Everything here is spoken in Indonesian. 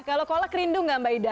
kalau kolak rindu gak mbak ida